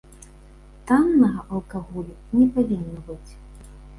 Таннага алкаголю не павінна быць.